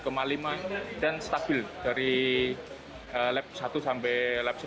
kemudian konsisten mulai sampai di sesi pemanasan tadi juga terdepan